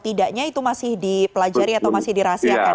tidaknya itu masih dipelajari atau masih dirahasiakan